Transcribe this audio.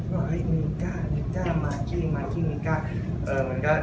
มีกะมีกะมีกะมีกะมีกะมีกะ